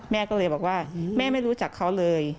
แม่ก็เลยบอกว่าแม่ไม่รู้จักเขาเลย